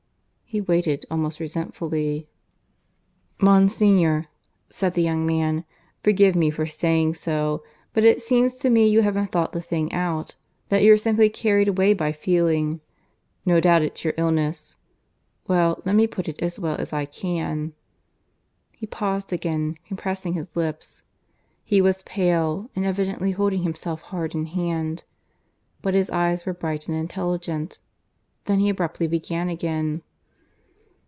He waited, almost resentfully. "Monsignor," said the young man, "forgive me for saying so; but it seems to me you haven't thought this thing out that you're simply carried away by feeling. No doubt it's your illness. ... Well, let me put it as well as I can. ..." He paused again, compressing his lips. He was pale, and evidently holding himself hard in hand; but his eyes were bright and intelligent. Then he abruptly began again.